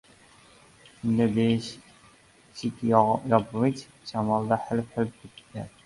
Shunda, beshikyopg‘ich shamolda hilp-hilp etdi.